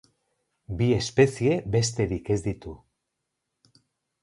Bi espezie besterik ez ditu.